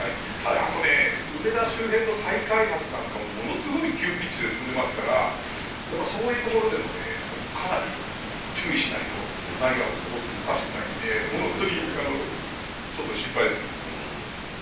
あと梅田周辺の再開発なんかもものすごい急ピッチで進んでますからそういう所でもかなり注意しないと何が起こってもおかしくないので本当に心配ですよね。